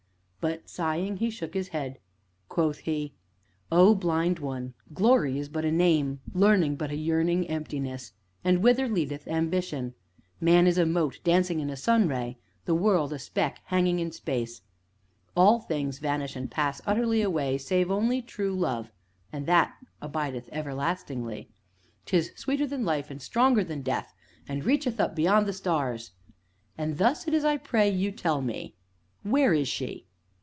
But, sighing, he shook his head; quoth he: "O Blind One! Glory is but a name, Learning but a yearning emptiness, and whither leadeth Ambition? Man is a mote dancing in a sun ray the world, a speck hanging in space. All things vanish and pass utterly away save only True love, and that abideth everlastingly; 'tis sweeter than Life, and stronger than Death, and reacheth up beyond the stars; and thus it is I pray you tell me where is she?" "She?"